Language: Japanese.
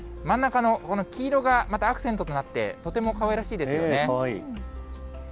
この青紫色の花弁、そして真ん中のこの黄色がまたアクセントとなってとてもかわいらしいですよね。